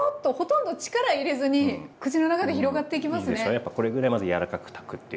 やっぱりこれぐらいまず柔らかく炊くっていうのと。